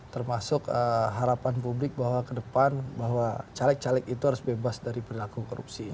termasuk harapan publik bahwa ke depan bahwa caleg caleg itu harus bebas dari perilaku korupsi